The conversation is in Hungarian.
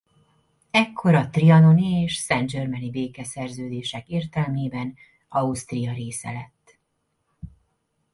Ekkor a trianoni és saint germaini békeszerződések értelmében Ausztria része lett.